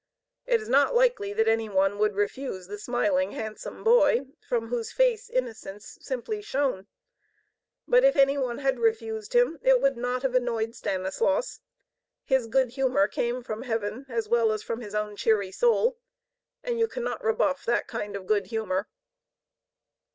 It is not likely that any one would refuse the smiling, handsome boy, from whose face innocence simply shone. But if any one had refused him, it would not have annoyed Stanislaus. His good humor came from heaven, as well as from his own cheery soul and you cannot rebuff that kind of good humor.